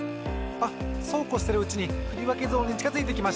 あっそうこうしてるうちにふりわけゾーンにちかづいてきました。